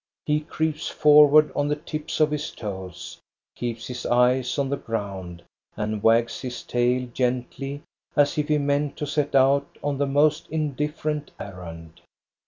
He creeps for ward on the tips of his toes, keeps his eyes on the ground, and wags his tail gently, as if he meant to set out on the most indifferent errand.